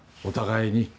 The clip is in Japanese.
お互いに。